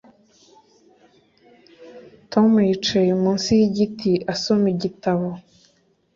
Tom yicaye munsi yigiti asoma igitabo